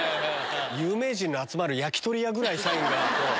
有名人の集まる焼き鳥屋ぐらいサインが。